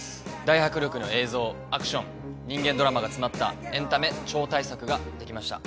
大迫力の映像アクション人間ドラマが詰まったエンタメ超大作が出来ました。